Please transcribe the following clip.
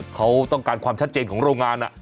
เขาต้องการความชัดเจนของโรงงาน